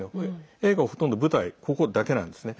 映画は、ほとんど舞台ここだけなんですね。